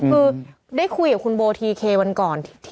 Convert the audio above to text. คือได้คุยกับคุณโบทีเควันก่อน